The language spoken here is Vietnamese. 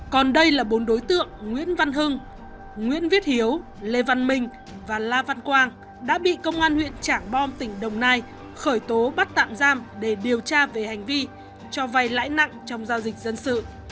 còn đây là bốn đối tượng nguyễn văn hưng nguyễn viết hiếu lê văn minh và la văn quang đã bị công an huyện trảng bom tỉnh đồng nai khởi tố bắt tạm giam để điều tra về hành vi cho vay lãi nặng trong giao dịch dân sự